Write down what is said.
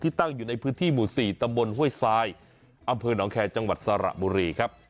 ตั้งอยู่ในพื้นที่หมู่๔ตำบลห้วยทรายอำเภอหนองแคร์จังหวัดสระบุรีครับ